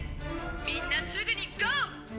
みんなすぐにＧＯ！」